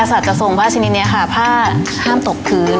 กษัตริย์จะส่งผ้าชนิดเนี้ยค่ะผ้าห้ามตกพื้น